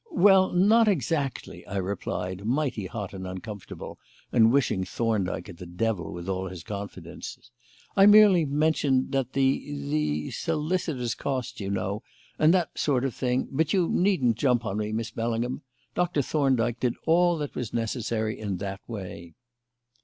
"Well, not exactly," I replied, mighty hot and uncomfortable, and wishing Thorndyke at the devil with his confidences. "I merely mentioned that the the solicitor's costs, you know, and that sort of thing but you needn't jump on me, Miss Bellingham; Doctor Thorndyke did all that was necessary in that way."